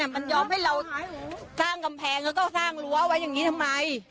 มันยอมให้เราสร้างกำแพงแล้วก็สร้างรั้วไว้อย่างนี้ทำไม